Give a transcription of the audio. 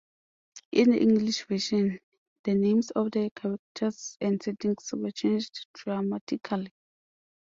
In the English version, the names of the characters and settings were changed dramatically.